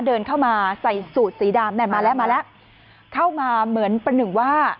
เดินเข้ามาใส่สูตรสีดำแม่มาแล้วมาแล้วเข้ามาเหมือนประหนึ่งว่า